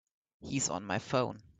He's on my phone.